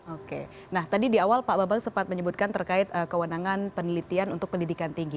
oke nah tadi di awal pak bambang sempat menyebutkan terkait kewenangan penelitian untuk pendidikan tinggi